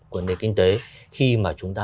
của nền kinh tế khi mà chúng ta